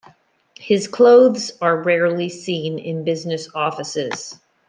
His clothes are rarely seen in business offices.